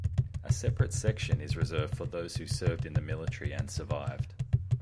A separate section is reserved for those who served in the military and survived.